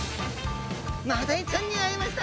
マダイちゃんに会えました！